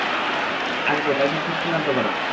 আসবো, তুই সবকিছু চূড়ান্ত কর।